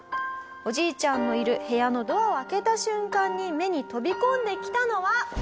おじいちゃんのいる部屋のドアを開けた瞬間に目に飛び込んできたのは。